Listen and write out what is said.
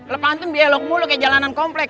lo pantun di elok mulu kayak jalanan komplek